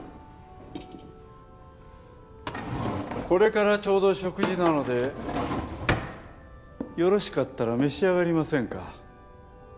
これからちょうど食事なのでよろしかったら召し上がりませんか？